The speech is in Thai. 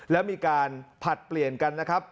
แล้วมีการผลัดเปลี่ยนกันนะครับ